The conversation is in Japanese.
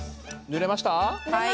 ぬれました。